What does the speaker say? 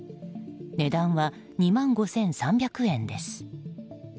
値段は２万５３００円です。